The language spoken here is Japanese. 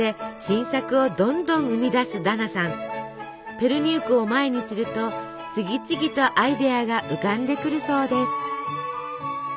ペルニークを前にすると次々とアイデアが浮かんでくるそうです。